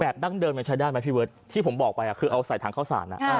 ดั้งเดิมมันใช้ได้ไหมพี่เบิร์ตที่ผมบอกไปคือเอาใส่ถังเข้าสาร